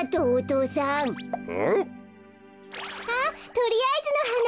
とりあえずのはな。